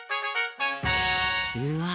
うわ！